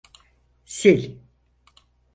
Sil!